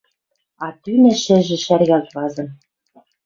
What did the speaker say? А тӱнӹ шӹжӹ шӓргӓлт вазын.